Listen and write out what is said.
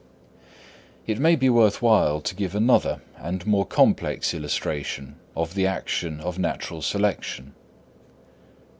It may be worth while to give another and more complex illustration of the action of natural selection.